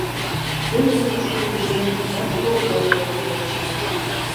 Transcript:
Кече кӱшкӧ кӱзен, ночко олыкым кошта.